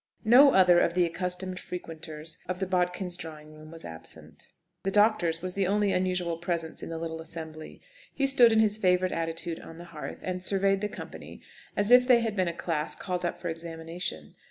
No other of the accustomed frequenters of the Bodkins' drawing room was absent. The doctor's was the only unusual presence in the little assembly. He stood in his favourite attitude on the hearth, and surveyed the company as if they had been a class called up for examination.